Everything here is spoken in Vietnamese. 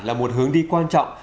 là một hướng đi quan trọng